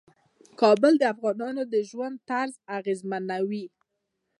کابل د افغانانو د ژوند طرز اغېزمنوي.